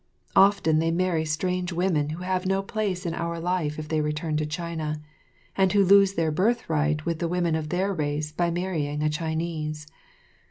Often they marry strange women who have no place in our life if they return to China, and who lose their birthright with the women of their race by marrying a Chinese.